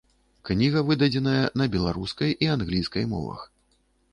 Кніга выдадзеная на беларускай і англійскай мовах.